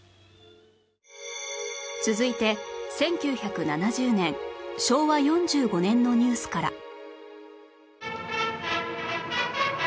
続いて１９７０年昭和４５年のニュースから